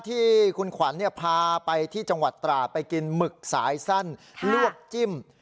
ที่คุณขวัญพาไปที่จังหวัดตราดไปกินหมึกสายสั้นลวกจิ้ม